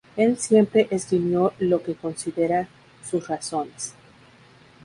Él siempre esgrimió lo que considera sus razones.